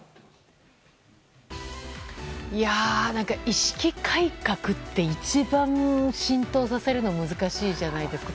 意識改革って一番浸透させるの難しいじゃないですか。